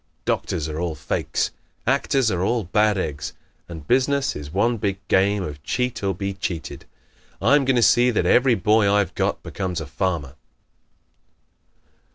Doctors are all fakes. Actors are all bad eggs; and business is one big game of cheat or be cheated. I'm going to see that every boy I've got becomes a farmer."